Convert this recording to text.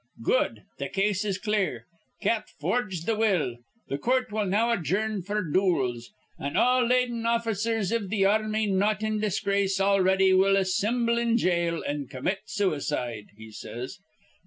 'Good. Th' case is clear. Cap forged th' will. Th' coort will now adjourn f'r dools, an' all ladin' officers iv th' ar rmy not in disgrace already will assimble in jail, an' com mit suicide,' he says.